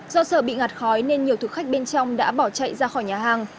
do sợ bị ngạt khói nên nhiều thực khách bên trong đã bỏ chạy ra khỏi nhà hàng